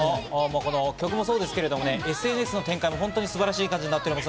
曲もそうですけど、ＳＮＳの展開もホントに素晴らしい感じです。